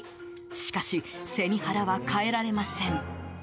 しかし背に腹は代えられません。